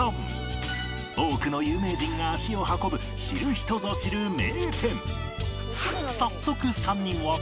多くの有名人が足を運ぶ知る人ぞ知る名店